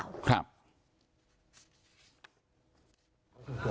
ครับ